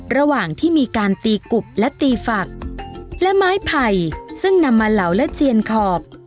ระหว่างที่มีการตีกุบและตีฝักและไม้ไผ่ซึ่งนำมาเหลาและเจียนขอบ